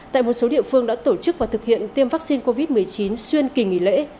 tại một số địa phương đã tổ chức và thực hiện tiêm vaccine covid một mươi chín xuyên kỳ nghỉ lễ